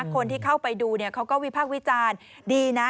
คนที่เข้าไปดูเขาก็วิพากษ์วิจารณ์ดีนะ